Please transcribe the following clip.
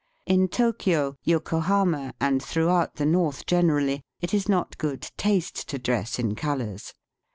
In Tokio, Yokohama, and throughout the north generally, it is not good taste to dress in colours.